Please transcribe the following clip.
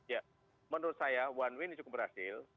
ya menurut saya one way ini cukup berhasil